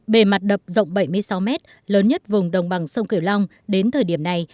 bề mặt đập rộng bảy mươi sáu mét lớn nhất vùng đồng bằng sông kiểu long đến thời điểm này